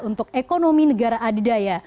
untuk ekonomi negara adidai